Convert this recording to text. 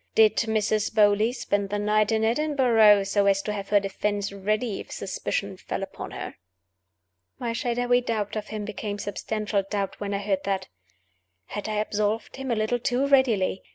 Did Mrs. Beauly spend the night in Edinburgh so as to have her defense ready, if suspicion fell upon her?" My shadowy doubt of him became substantial doubt when I heard that. Had I absolved him a little too readily?